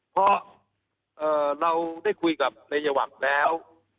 เพราะเราได้คุยกับนายวักแล้ว